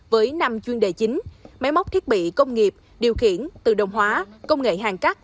với năm chuyên đề chính máy móc thiết bị công nghiệp điều khiển tự động hóa công nghệ hàng cắt